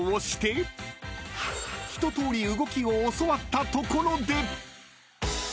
［ひととおり動きを教わったところで］